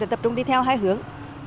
tập trung đi theo hai hướng